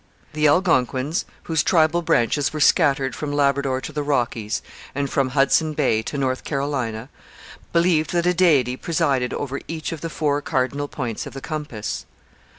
The Algonquins, whose tribal branches were scattered from Labrador to the Rockies and from Hudson Bay to North Carolina, believed that a deity presided over each of the four cardinal points of the compass.